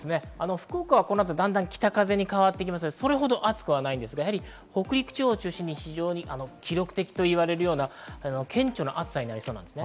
福岡はこの後、だんだん北風に変わりまして、それほど暑くはないですが、北陸地方を中心に非常に記録的と言われるような顕著な暑さになりそうです。